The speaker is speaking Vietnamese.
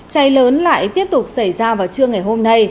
cháy lớn lại tiếp tục xảy ra vào trưa ngày hôm nay